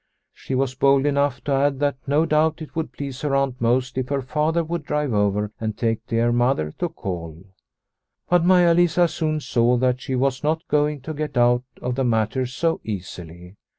She was bold enough to 130 Liliecrona's Home add that no doubt it would please her aunt most if her Father would drive over and take dear Mother to call. But Maia Lisa soon saw that she was not going to get out of the matter so easily.